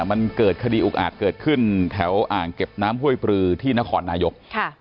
มันเกิดคดีอุกอาจเกิดขึ้นแถวอ่างเก็บน้ำห้วยปลือที่นครนายก